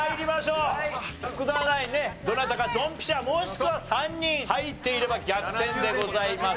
福澤ナインねどなたかドンピシャもしくは３人入っていれば逆転でございます。